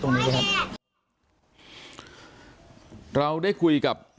ตอนนั้นเขาก็เลยรีบวิ่งออกมาดูตอนนั้นเขาก็เลยรีบวิ่งออกมาดู